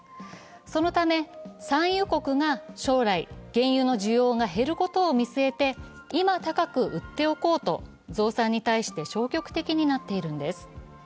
そのため、産油国が将来、原油の需要が減ることを見据えて、今高く売っておこうと、増産に対して消極的になっているんです。